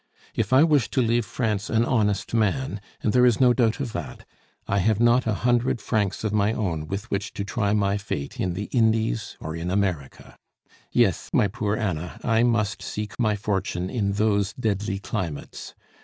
If I wish to leave France an honest man, and there is no doubt of that, I have not a hundred francs of my own with which to try my fate in the Indies or in America. Yes, my poor Anna, I must seek my fortune in those deadly climates.